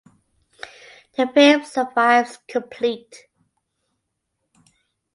The film survives complete.